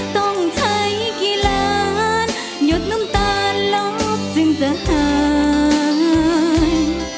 ต้องใช้กี่ล้านหยุดน้ำตาลบจึงจะหาย